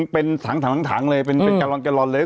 เป็นถังเลยเป็นกะลอนเลย